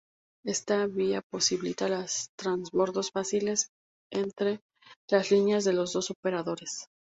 Esta vía posibilita transbordos fáciles entre las líneas de los dos operadores.